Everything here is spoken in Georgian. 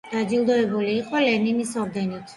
დაჯილდოვებული იყო ლენინის ორდენით.